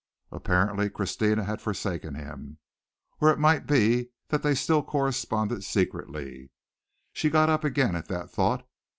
Apparently Christina had forsaken him, or it might be that they still corresponded secretly. She got up again at that thought.